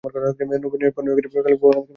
নবীনের পণ, কাল সকালেই বউরানীকে রওনা করে দেবে।